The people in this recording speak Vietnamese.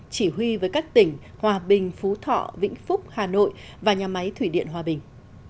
chỉ huy với các tỉnh hòa bình phú thọ vĩnh phúc hà nội và nhà máy thủy điện hòa bình